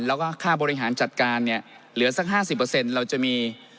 แล้วก็ค่าบริหารจัดการเนี่ยเหลือสักห้าสิบเปอร์เซ็นต์เราจะมี